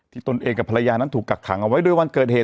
ตนเองกับภรรยานั้นถูกกักขังเอาไว้ด้วยวันเกิดเหตุ